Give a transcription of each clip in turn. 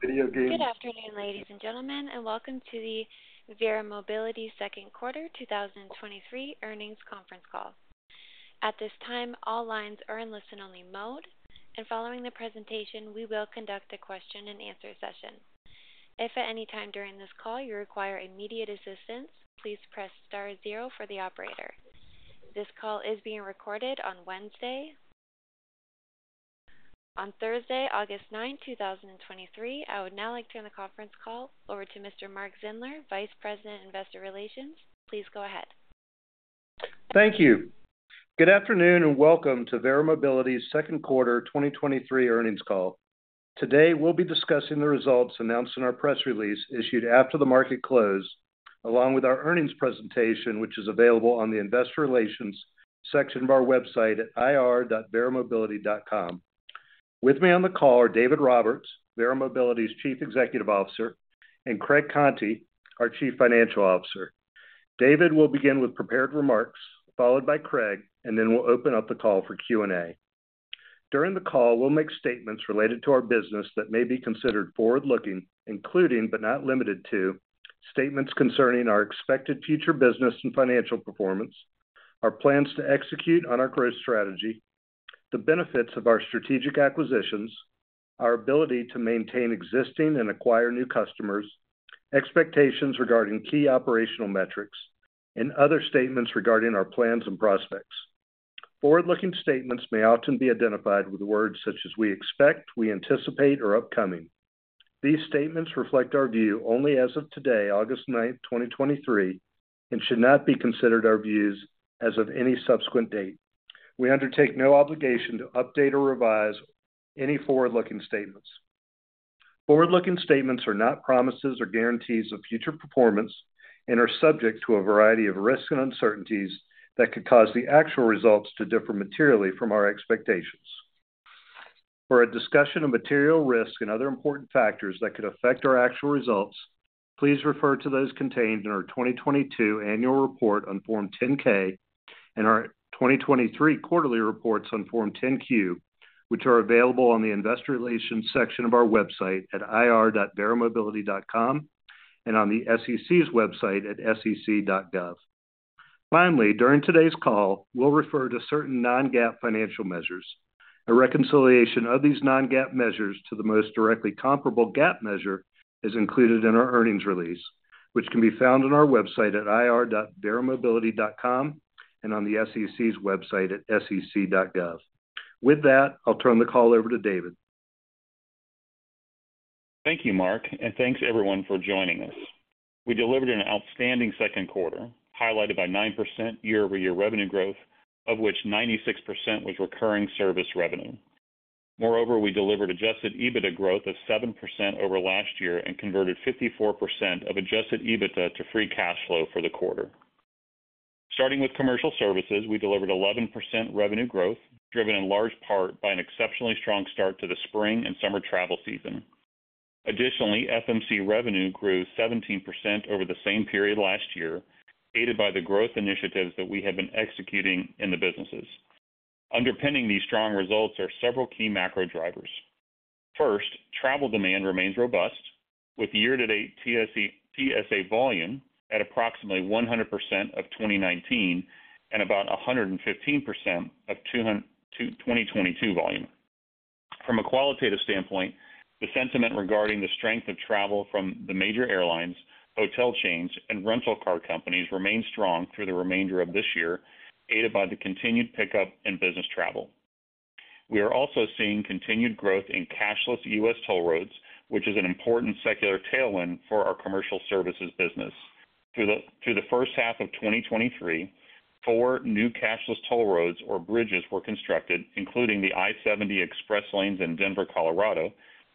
Good afternoon, ladies and gentlemen, and welcome to the Verra Mobility Second Quarter 2023 Earnings Conference Call. At this time, all lines are in listen-only mode, and following the presentation, we will conduct a question-and-answer session. If at any time during this call you require immediate assistance, please press star zero for the operator. This call is being recorded on Wednesday. On Thursday, August 9th, 2023. I would now like to turn the conference call over to Mr. Mark Zindler, Vice President, Investor Relations. Please go ahead. Thank you. Good afternoon, and welcome to Verra Mobility's second quarter 2023 earnings call. Today, we'll be discussing the results announced in our press release, issued after the market closed, along with our earnings presentation, which is available on the investor relations section of our website at ir.verramobility.com. With me on the call are David Roberts, Verra Mobility's Chief Executive Officer, and Craig Conti, our Chief Financial Officer. David will begin with prepared remarks, followed by Craig, and then we'll open up the call for Q and A. During the call, we'll make statements related to our business that may be considered forward-looking, including, but not limited to, statements concerning our expected future business and financial performance, our plans to execute on our growth strategy, the benefits of our strategic acquisitions, our ability to maintain existing and acquire new customers, expectations regarding key operational metrics, and other statements regarding our plans and prospects. Forward-looking statements may often be identified with words such as we expect, we anticipate, or upcoming. These statements reflect our view only as of today, August 9th, 2023, and should not be considered our views as of any subsequent date. We undertake no obligation to update or revise any forward-looking statements. Forward-looking statements are not promises or guarantees of future performance and are subject to a variety of risks and uncertainties that could cause the actual results to differ materially from our expectations. For a discussion of material risks and other important factors that could affect our actual results, please refer to those contained in our 2022 Annual Report on Form 10-K and our 2023 quarterly reports on Form 10-Q, which are available on the investor relations section of our website at ir.verramobility.com and on the SEC's website at sec.gov. Finally, during today's call, we'll refer to certain non-GAAP financial measures. A reconciliation of these non-GAAP measures to the most directly comparable GAAP measure is included in our earnings release, which can be found on our website at ir.verramobility.com and on the SEC's website at sec.gov. With that, I'll turn the call over to David. Thank you, Mark, and thanks everyone for joining us. We delivered an outstanding second quarter, highlighted by 9% year-over-year revenue growth, of which 96% was recurring service revenue. Moreover, we delivered Adjusted EBITDA growth of 7% over last year and converted 54% of Adjusted EBITDA to free cash flow for the quarter. Starting with commercial services, we delivered 11% revenue growth, driven in large part by an exceptionally strong start to the spring and summer travel season. Additionally, FMC revenue grew 17% over the same period last year, aided by the growth initiatives that we have been executing in the businesses. Underpinning these strong results are several key macro drivers. First, travel demand remains robust, with year-to-date TSA volume at approximately 100% of 2019 and about 115% of 2022 volume. From a qualitative standpoint, the sentiment regarding the strength of travel from the major airlines, hotel chains, and rental car companies remains strong through the remainder of this year, aided by the continued pickup in business travel. We are also seeing continued growth in cashless U.S. toll roads, which is an important secular tailwind for our commercial services business. Through the first half of 2023, four new cashless toll roads or bridges were constructed, including the I-70 express lanes in Denver, Colorado.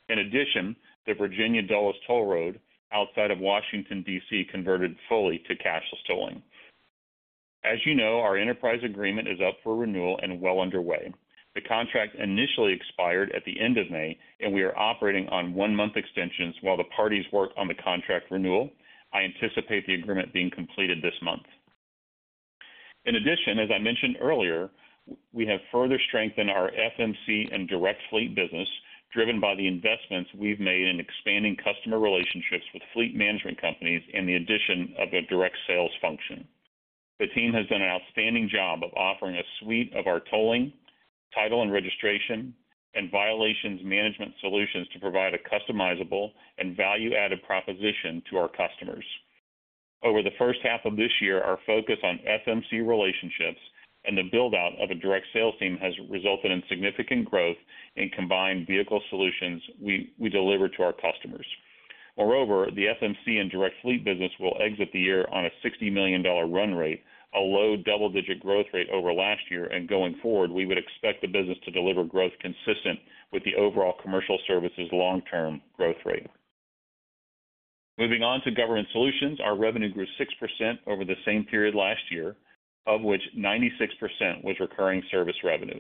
In addition, the Virginia Dulles Toll Road outside of Washington, D.C., converted fully to cashless tolling. As you know, our Enterprise agreement is up for renewal and well underway. The contract initially expired at the end of May, we are operating on one-month extensions while the parties work on the contract renewal. I anticipate the agreement being completed this month. In addition, as I mentioned earlier, we have further strengthened our FMC and direct fleet business, driven by the investments we've made in expanding customer relationships with fleet management companies and the addition of a direct sales function. The team has done an outstanding job of offering a suite of our tolling, title and registration, and violations management solutions to provide a customizable and value-added proposition to our customers. Over the first half of this year, our focus on FMC relationships and the build-out of a direct sales team has resulted in significant growth in combined vehicle solutions we deliver to our customers. Moreover, the FMC and direct fleet business will exit the year on a $60 million run rate, a low double-digit growth rate over last year, and going forward, we would expect the business to deliver growth consistent with the overall commercial services long-term growth rate. Moving on to Government Solutions. Our revenue grew 6% over the same period last year, of which 96% was recurring service revenue.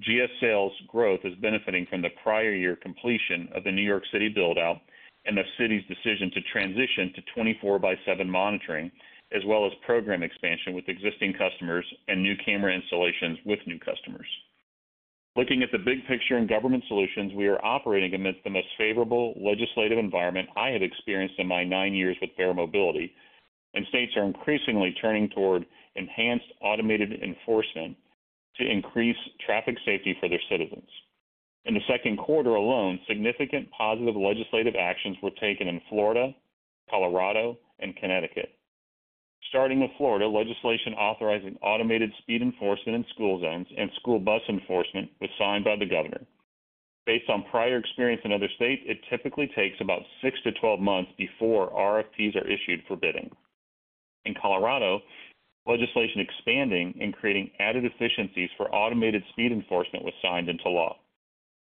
GS sales growth is benefiting from the prior year completion of the New York City build-out and the city's decision to transition to 24/7 monitoring, as well as program expansion with existing customers and new camera installations with new customers. Looking at the big picture in Government Solutions, we are operating amidst the most favorable legislative environment I have experienced in my nine years with Verra Mobility, states are increasingly turning toward enhanced automated enforcement to increase traffic safety for their citizens. In the second quarter alone, significant positive legislative actions were taken in Florida, Colorado, and Connecticut. Starting with Florida, legislation authorizing automated speed enforcement in school zones and school bus enforcement was signed by the governor. Based on prior experience in other states, it typically takes about six to 12 months before RFPs are issued for bidding. In Colorado, legislation expanding and creating added efficiencies for automated speed enforcement was signed into law.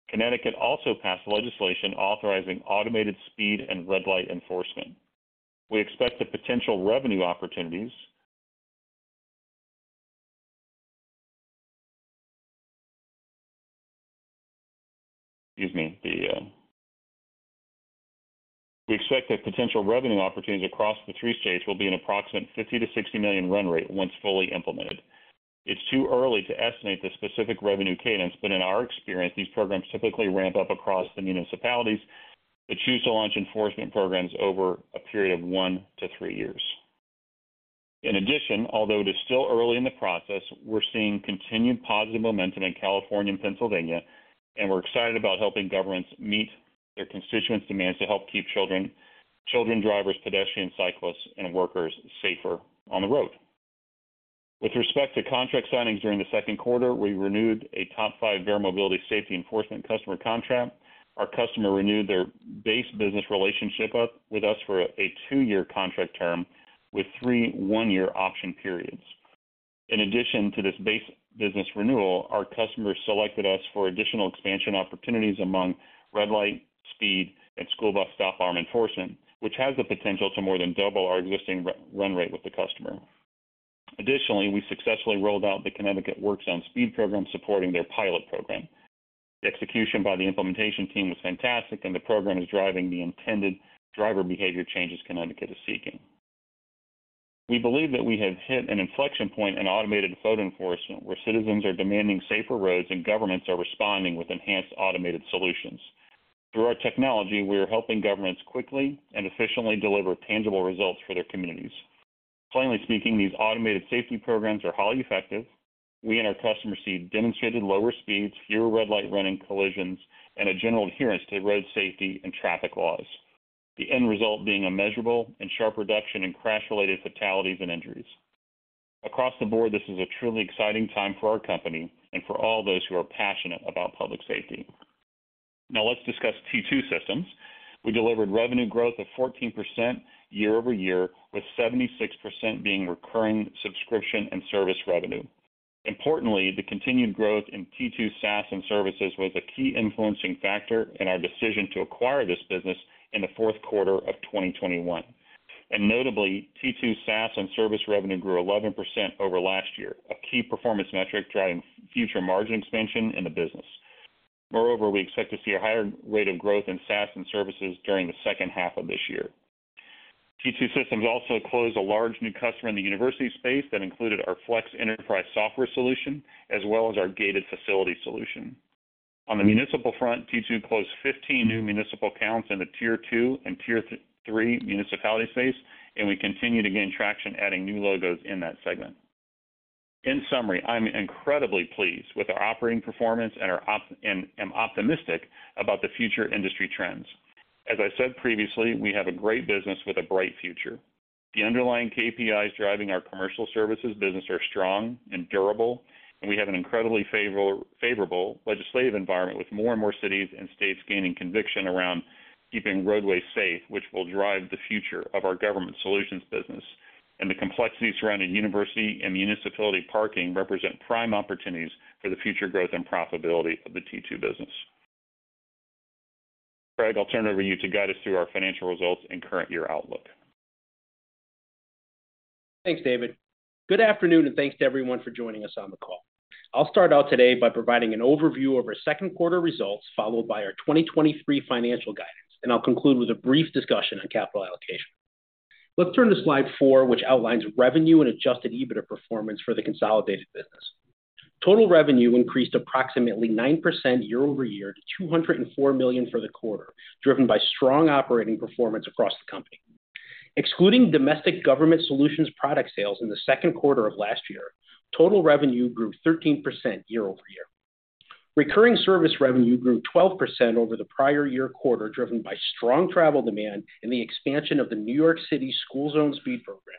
Connecticut also passed legislation authorizing automated speed and red light enforcement. We expect the potential revenue opportunities. Excuse me, the, we expect that potential revenue opportunities across the three states will be an approximate $50 million-$60 million run rate once fully implemented. It's too early to estimate the specific revenue cadence, but in our experience, these programs typically ramp up across the municipalities that choose to launch enforcement programs over a period of one to three years. In addition, although it is still early in the process, we're seeing continued positive momentum in California and Pennsylvania, and we're excited about helping governments meet their constituents' demands to help keep children, children, drivers, pedestrians, cyclists, and workers safer on the road. With respect to contract signings during the second quarter, we renewed a top 5 Verra Mobility safety enforcement customer contract. Our customer renewed their base business relationship up with us for a two-year contract term with 3 one-year option periods. In addition to this base business renewal, our customers selected us for additional expansion opportunities among red light, speed, and school bus stop arm enforcement, which has the potential to more than double our existing run rate with the customer. Additionally, we successfully rolled out the Connecticut Work Zone Speed program, supporting their pilot program. The execution by the implementation team was fantastic, and the program is driving the intended driver behavior changes Connecticut is seeking. We believe that we have hit an inflection point in automated photo enforcement, where citizens are demanding safer roads and governments are responding with enhanced automated solutions. Through our technology, we are helping governments quickly and efficiently deliver tangible results for their communities. Plainly speaking, these automated safety programs are highly effective. We and our customers see demonstrated lower speeds, fewer red light running collisions, and a general adherence to road safety and traffic laws. The end result being a measurable and sharp reduction in crash-related fatalities and injuries. Across the board, this is a truly exciting time for our company and for all those who are passionate about public safety. Now let's discuss T2 Systems. We delivered revenue growth of 14% year-over-year, with 76% being recurring subscription and service revenue. Importantly, the continued growth in T2 SaaS and services was a key influencing factor in our decision to acquire this business in the fourth quarter of 2021. Notably, T2 SaaS and service revenue grew 11% over last year, a key performance metric driving future margin expansion in the business. Moreover, we expect to see a higher rate of growth in SaaS and services during the second half of this year. T2 Systems also closed a large new customer in the university space that included our Flex Enterprise software solution, as well as our gated facility solution. On the municipal front, T2 closed 15 new municipal accounts in the Tier 2 and Tier 3 municipality space, and we continue to gain traction, adding new logos in that segment. In summary, I'm incredibly pleased with our operating performance and am optimistic about the future industry trends. As I said previously, we have a great business with a bright future. The underlying KPIs driving our commercial services business are strong and durable, we have an incredibly favorable legislative environment, with more and more cities and states gaining conviction around keeping roadways safe, which will drive the future of our government solutions business. The complexities surrounding university and municipality parking represent prime opportunities for the future growth and profitability of the T2 business. Craig, I'll turn it over to you to guide us through our financial results and current year outlook. Thanks, David. Good afternoon, thanks to everyone for joining us on the call. I'll start out today by providing an overview of our second quarter results, followed by our 2023 financial guidance, I'll conclude with a brief discussion on capital allocation. Let's turn to slide 4, which outlines revenue and adjusted EBITDA performance for the consolidated business. Total revenue increased approximately 9% year-over-year to $204 million for the quarter, driven by strong operating performance across the company. Excluding domestic government solutions product sales in the second quarter of last year, total revenue grew 13% year-over-year. Recurring service revenue grew 12% over the prior year quarter, driven by strong travel demand and the expansion of the New York City school zone speed program.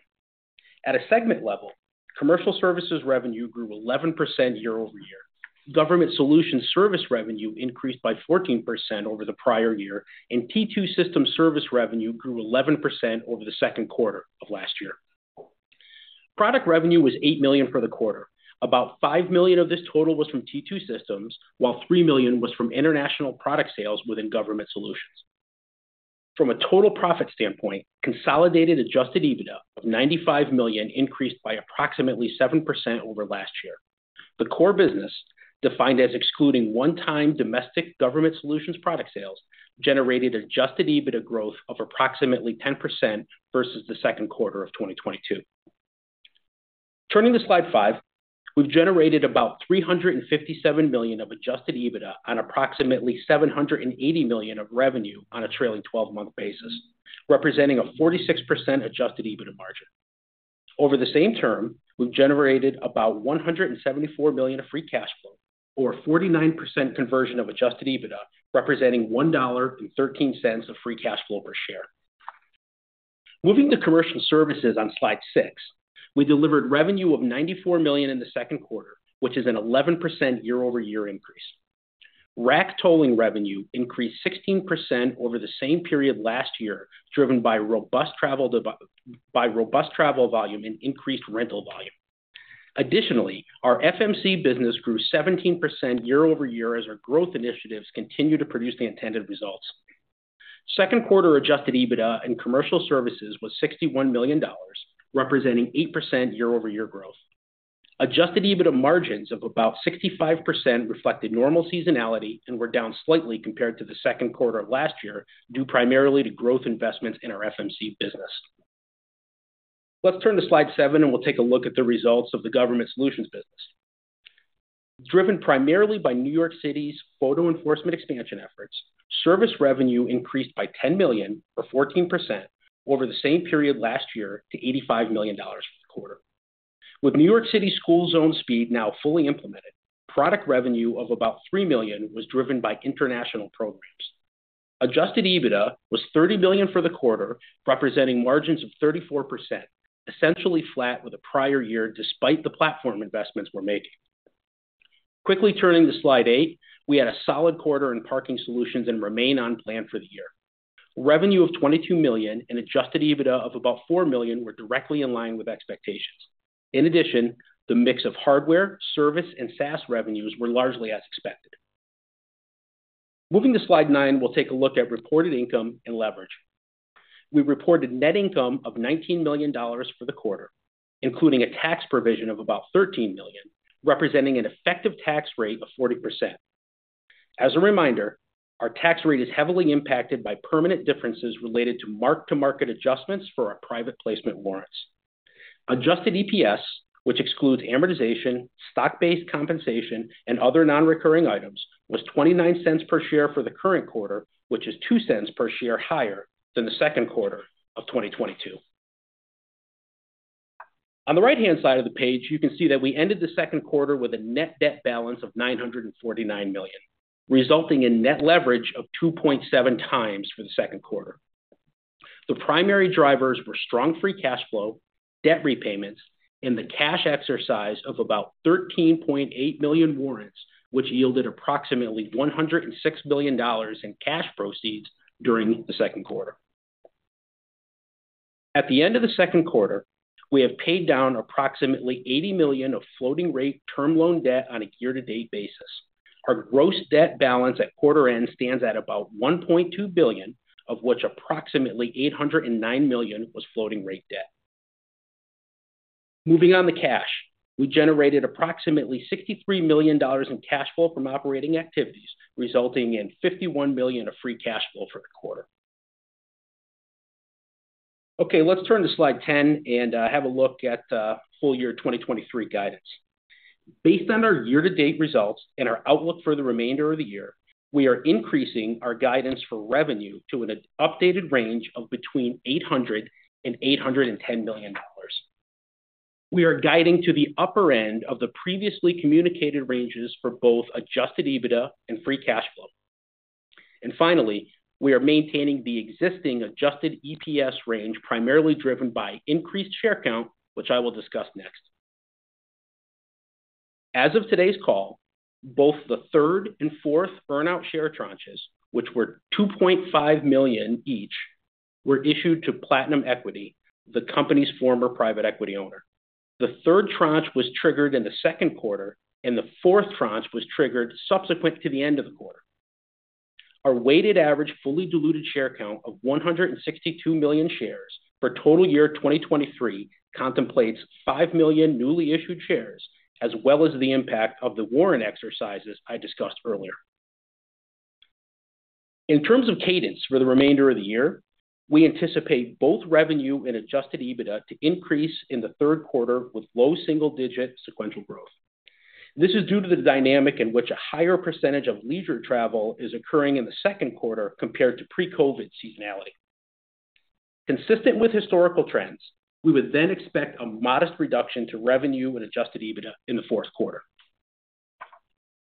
At a segment level, commercial services revenue grew 11% year-over-year. Government Solutions service revenue increased by 14% over the prior year, and T2 Systems service revenue grew 11% over the second quarter of last year. Product revenue was $8 million for the quarter. About $5 million of this total was from T2 Systems, while $3 million was from international product sales within Government Solutions. From a total profit standpoint, consolidated Adjusted EBITDA of $95 million increased by approximately 7% over last year. The core business, defined as excluding one-time domestic Government Solutions product sales, generated Adjusted EBITDA growth of approximately 10% versus the second quarter of 2022. Turning to slide five, we've generated about $357 million of Adjusted EBITDA on approximately $780 million of revenue on a trailing 12-month basis, representing a 46% Adjusted EBITDA margin. Over the same term, we've generated about $174 million of free cash flow, or a 49% conversion of Adjusted EBITDA, representing $1.13 of free cash flow per share. Moving to commercial services on slide six, we delivered revenue of $94 million in the second quarter, which is an 11% year-over-year increase. RAC tolling revenue increased 16% over the same period last year, driven by robust travel volume and increased rental volume. Additionally, our FMC business grew 17% year-over-year as our growth initiatives continue to produce the intended results. Second quarter Adjusted EBITDA and commercial services was $61 million, representing 8% year-over-year growth. Adjusted EBITDA margins of about 65% reflected normal seasonality and were down slightly compared to the second quarter of last year, due primarily to growth investments in our FMC business. Let's turn to slide seven, and we'll take a look at the results of the government solutions business. Driven primarily by New York City's photo enforcement expansion efforts, service revenue increased by $10 million, or 14%, over the same period last year to $85 million for the quarter. With New York City School Zone Speed now fully implemented, product revenue of about $3 million was driven by international programs. Adjusted EBITDA was $30 million for the quarter, representing margins of 34%, essentially flat with the prior year, despite the platform investments we're making. Quickly turning to slide eight, we had a solid quarter in parking solutions and remain on plan for the year. Revenue of $22 million and Adjusted EBITDA of about $4 million were directly in line with expectations. In addition, the mix of hardware, service, and SaaS revenues were largely as expected. Moving to slide nine, we'll take a look at reported income and leverage. We reported net income of $19 million for the quarter, including a tax provision of about $13 million, representing an effective tax rate of 40%. As a reminder, our tax rate is heavily impacted by permanent differences related to mark-to-market adjustments for our private placement warrants. Adjusted EPS, which excludes amortization, stock-based compensation, and other non-recurring items, was $0.29 per share for the current quarter, which is $0.02 per share higher than the second quarter of 2022. On the right-hand side of the page, you can see that we ended the second quarter with a net debt balance of $949 million, resulting in net leverage of 2.7 times for the second quarter. The primary drivers were strong free cash flow, debt repayments, and the cash exercise of about 13.8 million warrants, which yielded approximately $106 million in cash proceeds during the second quarter. At the end of the second quarter, we have paid down approximately $80 million of floating rate term loan debt on a year-to-date basis. Our gross debt balance at quarter end stands at about $1.2 billion, of which approximately $809 million was floating rate debt. Moving on to cash. We generated approximately $63 million in cash flow from operating activities, resulting in $51 million of free cash flow for the quarter. Okay, let's turn to slide 10 and have a look at full year 2023 guidance. Based on our year-to-date results and our outlook for the remainder of the year, we are increasing our guidance for revenue to an updated range of between $800 million and $810 million. We are guiding to the upper end of the previously communicated ranges for both Adjusted EBITDA and free cash flow. Finally, we are maintaining the existing Adjusted EPS range, primarily driven by increased share count, which I will discuss next. As of today's call, both the third and fourth earnout share tranches, which were 2.5 million each, were issued to Platinum Equity, the company's former private equity owner. The third tranche was triggered in the second quarter. The fourth tranche was triggered subsequent to the end of the quarter. Our weighted average, fully diluted share count of 162 million shares for total year 2023, contemplates 5 million newly issued shares, as well as the impact of the warrant exercises I discussed earlier. In terms of cadence for the remainder of the year, we anticipate both revenue and Adjusted EBITDA to increase in the third quarter with low single-digit sequential growth. This is due to the dynamic in which a higher % of leisure travel is occurring in the second quarter compared to pre-COVID seasonality. Consistent with historical trends, we would then expect a modest reduction to revenue and Adjusted EBITDA in the fourth quarter.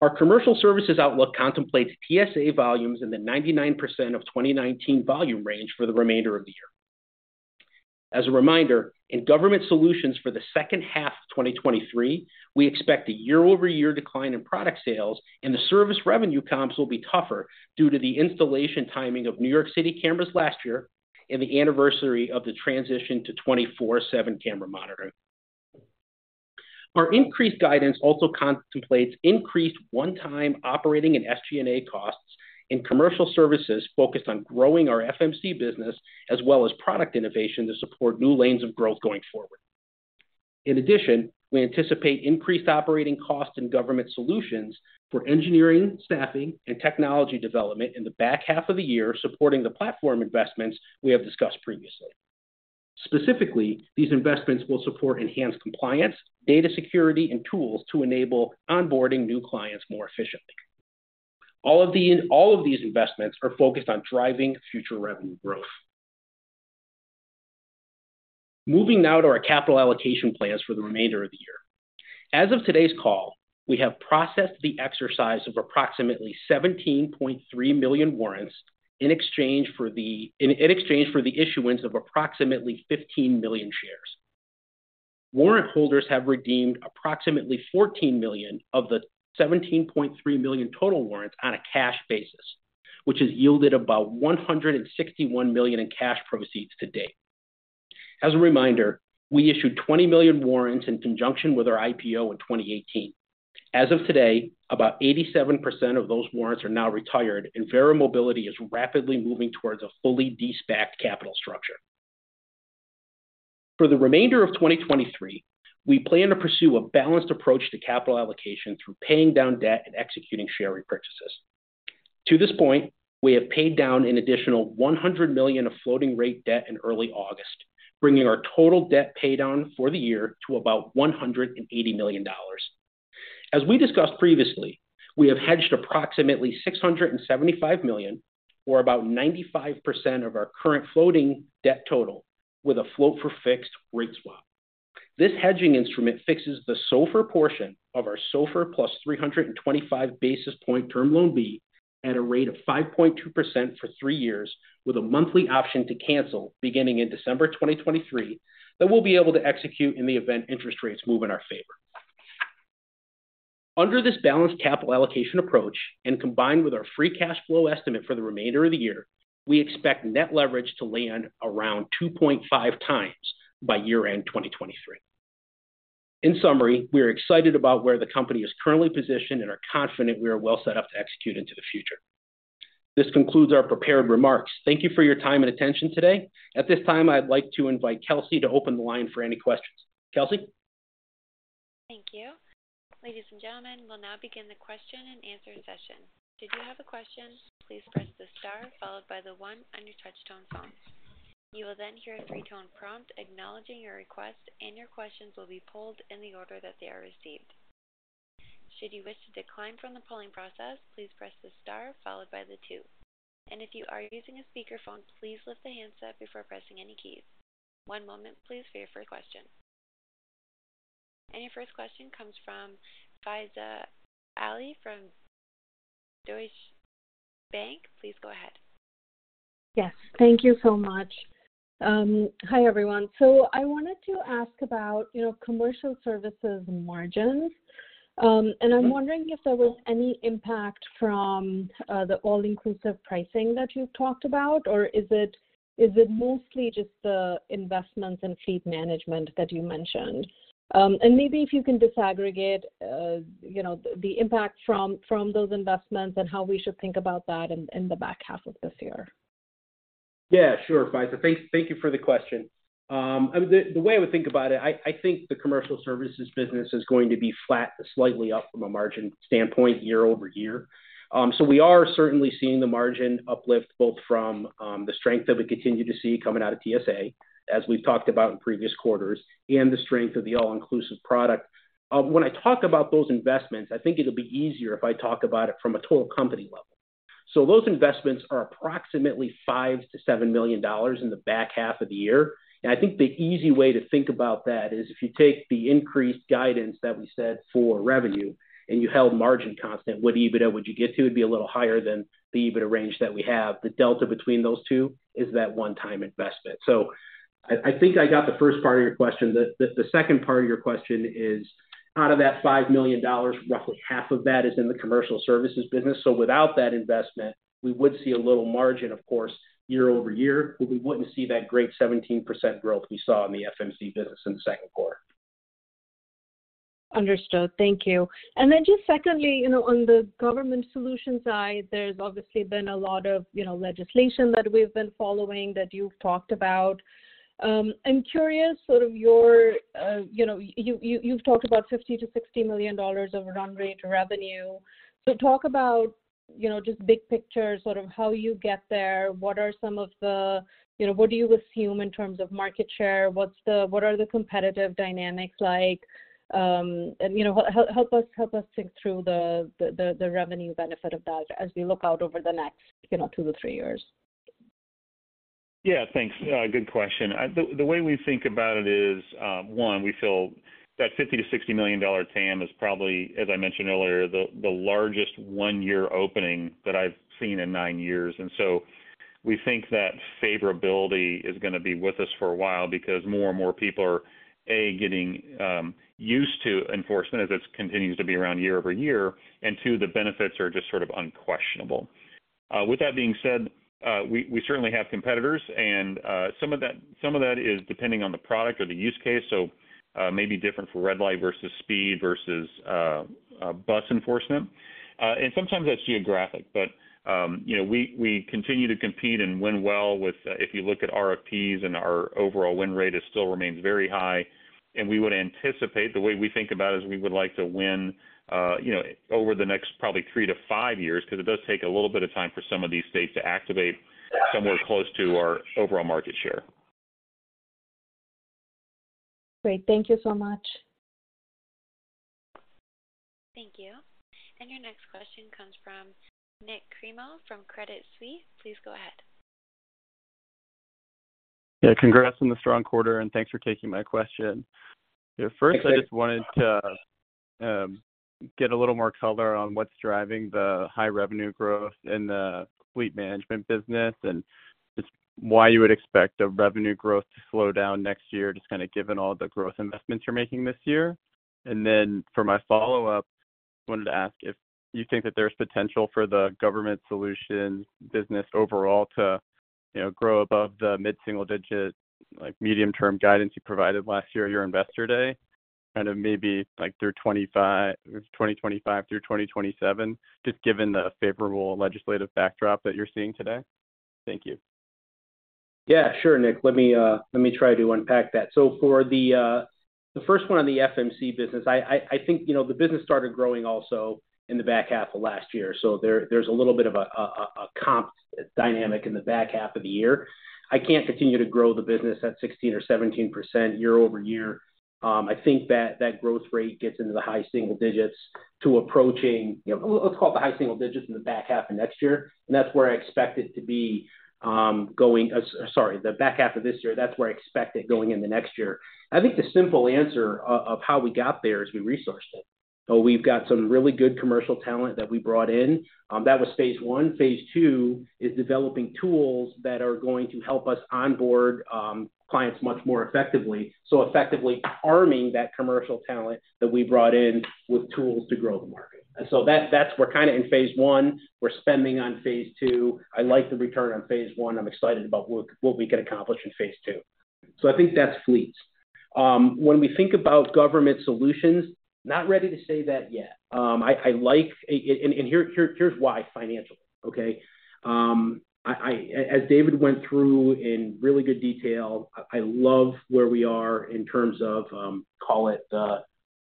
Our commercial services outlook contemplates TSA volumes in the 99% of 2019 volume range for the remainder of the year. As a reminder, in government solutions for the second half of 2023, we expect a year-over-year decline in product sales, and the service revenue comps will be tougher due to the installation timing of New York City cameras last year and the anniversary of the transition to 24/7 camera monitoring. Our increased guidance also contemplates increased one-time operating and SG&A costs, and commercial services focused on growing our FMC business, as well as product innovation to support new lanes of growth going forward. In addition, we anticipate increased operating costs in government solutions for engineering, staffing, and technology development in the back half of the year, supporting the platform investments we have discussed previously. Specifically, these investments will support enhanced compliance, data security, and tools to enable onboarding new clients more efficiently. All of these investments are focused on driving future revenue growth. Moving now to our capital allocation plans for the remainder of the year. As of today's call, we have processed the exercise of approximately 17.3 million warrants in exchange for the issuance of approximately 15 million shares. Warrant holders have redeemed approximately 14 million of the 17.3 million total warrants on a cash basis, which has yielded about $161 million in cash proceeds to date. As a reminder, we issued 20 million warrants in conjunction with our IPO in 2018. As of today, about 87% of those warrants are now retired, and Verra Mobility is rapidly moving towards a fully de-SPAC capital structure. For the remainder of 2023, we plan to pursue a balanced approach to capital allocation through paying down debt and executing share repurchases. To this point, we have paid down an additional $100 million of floating rate debt in early August, bringing our total debt paid down for the year to about $180 million. As we discussed previously, we have hedged approximately $675 million, or about 95% of our current floating debt total, with a float-for-fixed rate swap. This hedging instrument fixes the SOFR portion of our SOFR plus 325 basis point Term Loan B at a rate of 5.2% for three years, with a monthly option to cancel beginning in December 2023, that we'll be able to execute in the event interest rates move in our favor. Under this balanced capital allocation approach, and combined with our free cash flow estimate for the remainder of the year, we expect net leverage to land around 2.5 times by year-end 2023. In summary, we are excited about where the company is currently positioned and are confident we are well set up to execute into the future. This concludes our prepared remarks. Thank you for your time and attention today. At this time, I'd like to invite Kelsey to open the line for any questions. Kelsey? Thank you. Ladies and gentlemen, we'll now begin the question and answer session. Should you have a question, please press the star followed by the one on your touchtone phone. You will then hear a three tone prompt acknowledging your request, and your questions will be pulled in the order that they are received. Should you wish to decline from the polling process, please press the star followed by the two. If you are using a speakerphone, please lift the handset before pressing any keys. One moment, please, for your first question. Your first question comes from Faiza Alwy from Deutsche Bank. Please go ahead. Yes, thank you so much. Hi, everyone. I wanted to ask about, you know, commercial services margins. I'm wondering if there was any impact from the all-inclusive pricing that you've talked about, or is it, is it mostly just the investments and fleet management that you mentioned? Maybe if you can disaggregate, you know, the impact from, from those investments and how we should think about that in, in the back half of this year? Yeah, sure, Faiza. Thank, thank you for the question. I mean, the, the way I would think about it, I, I think the commercial services business is going to be flat to slightly up from a margin standpoint year-over-year. We are certainly seeing the margin uplift, both from the strength that we continue to see coming out of TSA, as we've talked about in previous quarters, and the strength of the all-inclusive product. When I talk about those investments, I think it'll be easier if I talk about it from a total company level. Those investments are approximately $5 million-$7 million in the back half of the year. I think the easy way to think about that is if you take the increased guidance that we said for revenue and you held margin constant, what EBITDA would you get to? It'd be a little higher than the EBITDA range that we have. The delta between those two is that one-time investment. I, I think I got the first part of your question. The second part of your question is out of that $5 million, roughly half of that is in the commercial services business. Without that investment, we would see a little margin, of course, year over year, but we wouldn't see that great 17% growth we saw in the FMC business in the second quarter. Understood. Thank you. Then just secondly, you know, on the government solution side, there's obviously been a lot of, you know, legislation that we've been following, that you've talked about. I'm curious, sort of your, you know, you, you, you've talked about $50 million-$60 million of run rate revenue. Talk about, you know, just big picture, sort of how you get there. What are some of the, you know. What do you assume in terms of market share? What's the competitive dynamics like? You know, help us, help us think through the, the, the revenue benefit of that as we look out over the next, you know, 2-3 years. Yeah, thanks. Good question. The, the way we think about it is, one, we feel that $50 million-$60 million TAM is probably, as I mentioned earlier, the, the largest one-year opening that I've seen in nine years. So we think that favorability is going to be with us for a while because more and more people are, A, getting, used to enforcement as this continues to be around year-over-year, and two, the benefits are just sort of unquestionable. With that being said, we, we certainly have competitors, and some of that, some of that is depending on the product or the use case, so, may be different for red light versus speed versus bus enforcement. Sometimes that's geographic, but, you know, we, we continue to compete and win well with, if you look at RFPs and our overall win rate, it still remains very high. We would anticipate, the way we think about it is we would like to win, you know, over the next probably three to five years, because it does take a little bit of time for some of these states to activate somewhere close to our overall market share. Great. Thank you so much. Thank you. Your next question comes from Nik Cremo from Credit Suisse. Please go ahead. Yeah, congrats on the strong quarter, and thanks for taking my question. Yeah, first, I just wanted to get a little more color on what's driving the high revenue growth in the fleet management business and just why you would expect the revenue growth to slow down next year, just kind of given all the growth investments you're making this year. Then for my follow-up, I wanted to ask if you think that there's potential for the government solution business overall to grow above the mid-single digit medium-term guidance you provided last year at your Investor Day, kind of maybe through 2025, 2025 through 2027, just given the favorable legislative backdrop that you're seeing today? Thank you. Yeah, sure, Nik. Let me, let me try to unpack that. For the, the first one on the FMC business, I think, you know, the business started growing also in the back half of last year, so there, there's a little bit of a comp dynamic in the back half of the year. I can't continue to grow the business at 16% or 17% year-over-year. I think that that growth rate gets into the high single digits to approaching, you know, let's call it the high single digits in the back half of next year, and that's where I expect it to be. Sorry, the back half of this year, that's where I expect it going into next year. I think the simple answer of how we got there is we resourced it. We've got some really good commercial talent that we brought in. That was phase one. Phase two is developing tools that are going to help us onboard clients much more effectively, so effectively arming that commercial talent that we brought in with tools to grow the market. That's, that's we're kind of in phase one. We're spending on phase two. I like the return on phase one. I'm excited about what, what we can accomplish in phase two. I think that's fleets. When we think about government solutions, not ready to say that yet. I, I like and, and, and here, here, here's why, financially, okay? I, I as David went through in really good detail, I, I love where we are in terms of, call it the,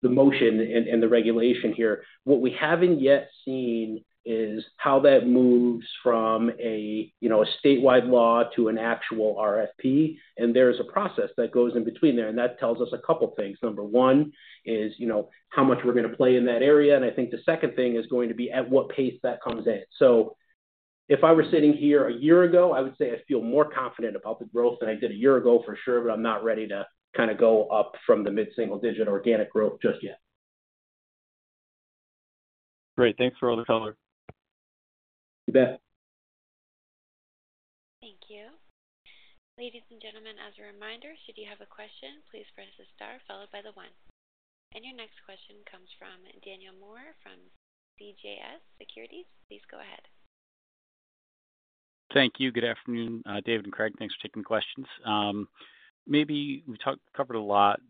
the motion and, and the regulation here. What we haven't yet seen is how that moves from a, you know, a statewide law to an actual RFP. There is a process that goes in between there, that tells us a couple things. Number one is, you know, how much we're going to play in that area. I think the second thing is going to be at what pace that comes in. If I were sitting here a year ago, I would say I feel more confident about the growth than I did a year ago for sure, but I'm not ready to kind of go up from the mid-single digit organic growth just yet. Great. Thanks for all the color. You bet. Thank you. Ladies and gentlemen, as a reminder, should you have a question, please press star followed by the one. Your next question comes from Daniel Moore from CJS Securities. Please go ahead. Thank you. Good afternoon, David and Craig. Thanks for taking the questions. Maybe we talked, covered a lot.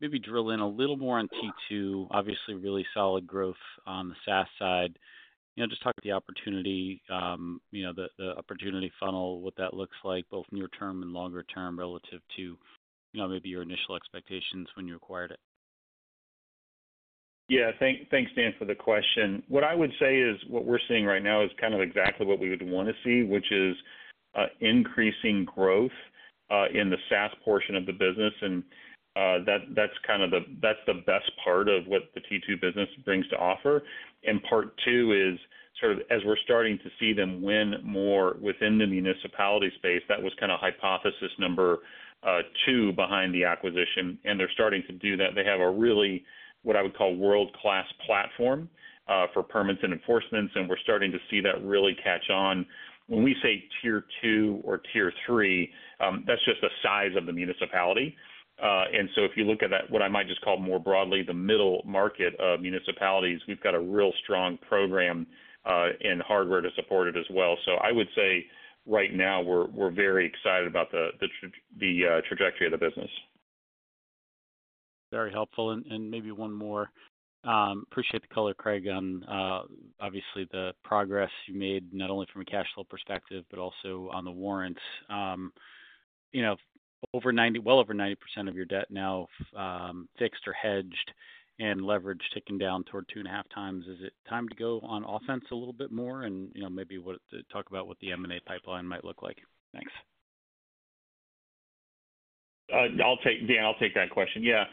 Maybe drill in a little more on T2, obviously really solid growth on the SaaS side. You know, just talk about the opportunity, you know, the opportunity funnel, what that looks like, both near term and longer term, relative to, you know, maybe your initial expectations when you acquired it. Yeah. Thanks, David, for the question. What I would say is, what we're seeing right now is kind of exactly what we would want to see, which is increasing growth in the SaaS portion of the business, and that's kind of that's the best part of what the T2 business brings to offer. Part two is sort of, as we're starting to see them win more within the municipality space, that was kind of hypothesis number two behind the acquisition. They're starting to do that. They have a really, what I would call, world-class platform for permits and enforcements, and we're starting to see that really catch on. When we say Tier 2 or Tier 3, that's just the size of the municipality. If you look at that, what I might just call more broadly the middle market of municipalities, we've got a real strong program, and hardware to support it as well. I would say right now we're, we're very excited about the trajectory of the business. Very helpful. And maybe one more. Appreciate the color, Craig, on obviously the progress you made, not only from a cash flow perspective, but also on the warrants. You know, well over 90% of your debt now fixed or hedged and leverage ticking down toward 2.5 times. Is it time to go on offense a little bit more? You know, maybe what, talk about what the M&A pipeline might look like. Thanks. I'll take, David, I'll take that question. Yeah.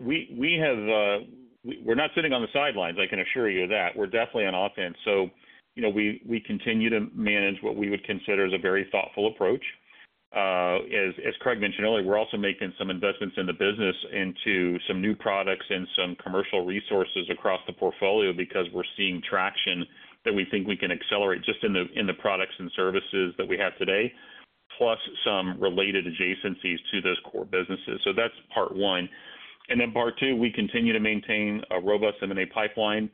We, we have, we're not sitting on the sidelines, I can assure you of that. We're definitely on offense, so, you know, we, we continue to manage what we would consider as a very thoughtful approach. As, as Craig mentioned earlier, we're also making some investments in the business into some new products and some commercial resources across the portfolio because we're seeing traction that we think we can accelerate just in the, in the products and services that we have today, plus some related adjacencies to those core businesses. That's part one. Then part two, we continue to maintain a robust M&A pipeline,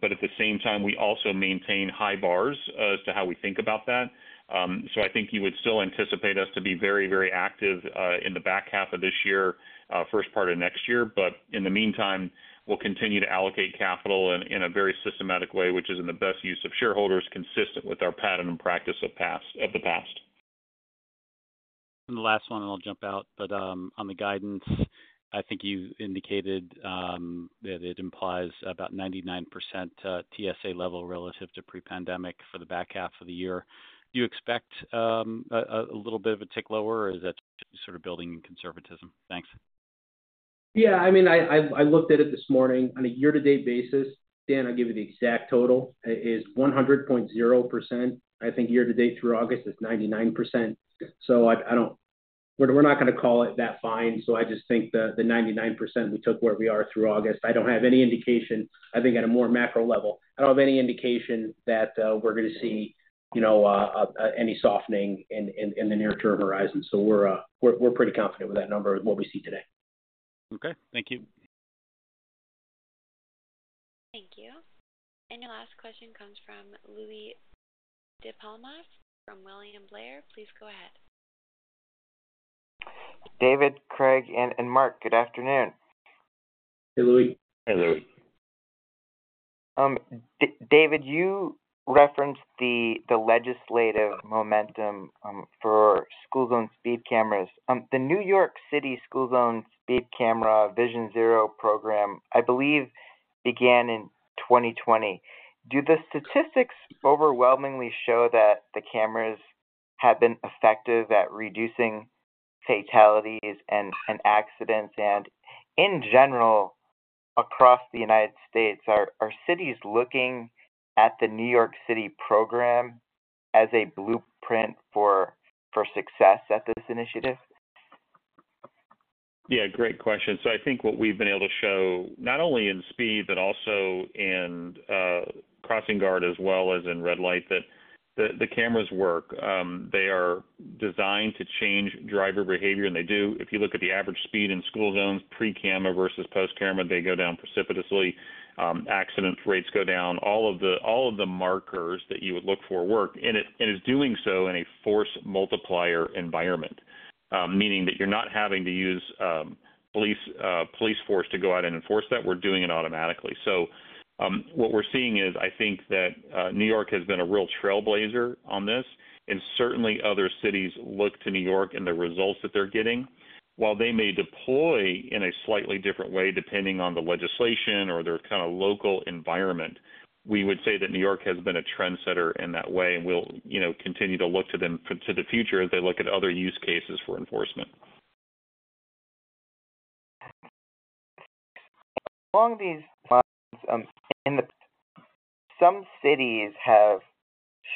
but at the same time, we also maintain high bars as to how we think about that. I think you would still anticipate us to be very, very active in the back half of this year, first part of next year. In the meantime, we'll continue to allocate capital in, in a very systematic way, which is in the best use of shareholders, consistent with our pattern and practice of the past. The last one, I'll jump out, but on the guidance, I think you indicated that it implies about 99% TSA level relative to pre-pandemic for the back half of the year. Do you expect a little bit of a tick lower, or is that sort of building in conservatism? Thanks. Yeah, I mean, I looked at it this morning. On a year-to-date basis, David, I'll give you the exact total. It is 100.0%. I think year-to-date through August, it's 99%. I don't, we're not gonna call it that fine, I just think the 99% we took where we are through August. I don't have any indication. I think at a more macro level, I don't have any indication that we're gonna see, you know, any softening in the near-term horizon. We're pretty confident with that number and what we see today. Okay, thank you. Thank you. Your last question comes from Louie DiPalma from William Blair. Please go ahead. David, Craig, and, and Mark, good afternoon. Hey, Louie. Hi, Louie. David, you referenced the, the legislative momentum for school zone speed cameras. The New York City school zone speed camera Vision Zero program, I believe, began in 2020. Do the statistics overwhelmingly show that the cameras have been effective at reducing fatalities and, and accidents? In general, across the United States, are cities looking at the New York City program as a blueprint for success at this initiative? Yeah, great question. I think what we've been able to show, not only in speed, but also in crossing guard as well as in red light, that the cameras work. They are designed to change driver behavior, and they do. If you look at the average speed in school zones, pre-camera versus post-camera, they go down precipitously. Accident rates go down. All of the, all of the markers that you would look for work, and it, and it's doing so in a force multiplier environment. Meaning that you're not having to use police police force to go out and enforce that. We're doing it automatically. What we're seeing is, I think that New York has been a real trailblazer on this, and certainly other cities look to New York and the results that they're getting. While they may deploy in a slightly different way, depending on the legislation or their kind of local environment, we would say that New York has been a trendsetter in that way, and we'll, you know, continue to look to them for to the future as they look at other use cases for enforcement. Along these lines, in the some cities have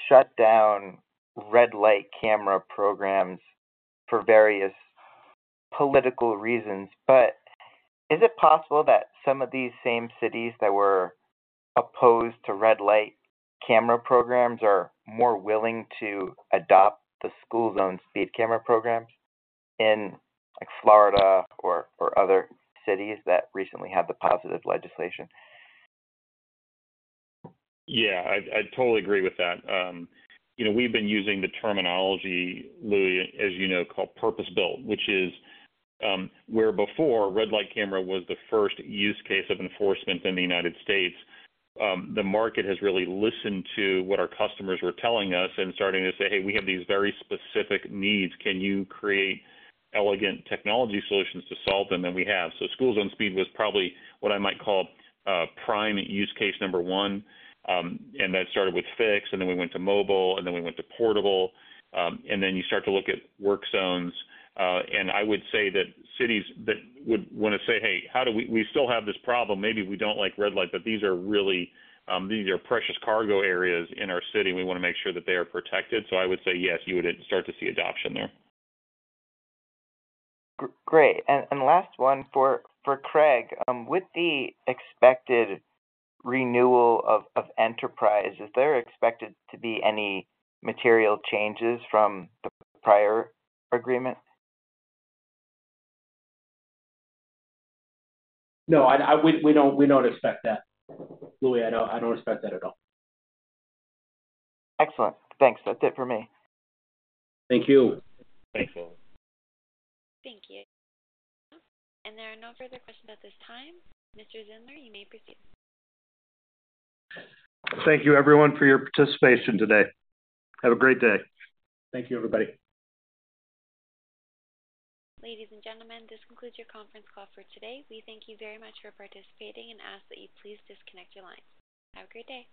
shut down red light camera programs for various political reasons. Is it possible that some of these same cities that were opposed to red light camera programs are more willing to adopt the school zone speed camera programs in, like, Florida or, or other cities that recently had the positive legislation? Yeah, I, I totally agree with that. You know, we've been using the terminology, Louie, as you know, called purpose-built, which is where before red light camera was the first use case of enforcement in the United States. The market has really listened to what our customers were telling us and starting to say, "Hey, we have these very specific needs. Can you create elegant technology solutions to solve them?" We have. School zone speed was probably what I might call prime use case number one. That started with fixed, and then we went to mobile, and then we went to portable. You start to look at work zones. I would say that cities that would wanna say, "Hey, how do we, we still have this problem. Maybe we don't like red light, but these are really, these are precious cargo areas in our city. We wanna make sure that they are protected." I would say yes, you would start to see adoption there. Great. Last one for Craig. With the expected renewal of Enterprise, is there expected to be any material changes from the prior agreement? No, I, I, we, we don't, we don't expect that. Louie, I don't, I don't expect that at all. Excellent. Thanks. That's it for me. Thank you. Thank you. Thank you. There are no further questions at this time. Mr. Zindler, you may proceed. Thank you, everyone, for your participation today. Have a great day. Thank you, everybody. Ladies and gentlemen, this concludes your conference call for today. We thank you very much for participating and ask that you please disconnect your lines. Have a great day.